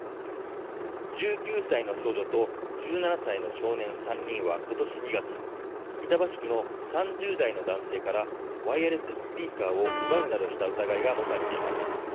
１９歳の少女と１７歳の少年３人は今年２月板橋区の３０代の男性からワイヤレススピーカーを奪うなどした疑いが持たれています。